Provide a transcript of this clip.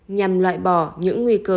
nhằm loại bỏ những nguy cơ